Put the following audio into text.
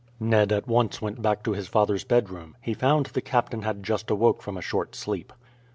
Ned at once went back to his father's bedroom. He found the captain had just awoke from a short sleep.